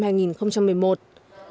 tuy nhiên việc thực thi